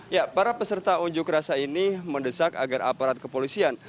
ya para peserta unjuk rasa ini mendesak agar aparat kepolisian